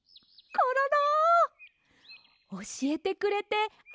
コロロ！